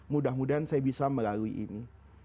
mudah mudahan saya bisa melalui ini